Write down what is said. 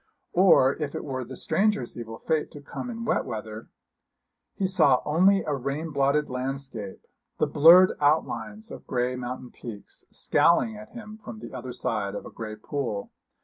Or if it were the stranger's evil fate to come in wet weather, he saw only a rain blotted landscape the blurred outlines of grey mountain peaks, scowling at him from the other side of a grey pool.